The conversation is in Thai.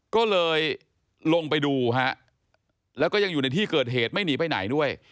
ก็เลยลงไปดูฮะแล้วก็ยังอยู่ในที่เกิดเหตุไม่หนีไปไหนด้วย